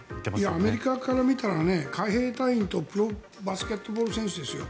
アメリカから見たら海兵隊員とプロバスケットボール選手ですよ。